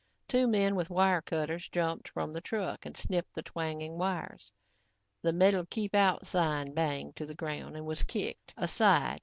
Two men with wire cutters, jumped from the truck and snipped the twanging wires. The metal "Keep Out" sign banged to the ground and was kicked aside.